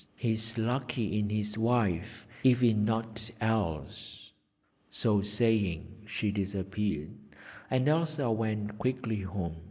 He is lucky in his wife, if in nought else!' So saying, she disappeared, and Elsa went quickly home.